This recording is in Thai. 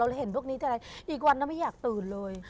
เราเห็นพวกนี้แต่อะไรอีกวันไม่อยากตื่นเลย